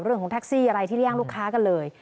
เรื่องของแท็กซี่อะไรที่เลี่ยงลูกค้ากันเลย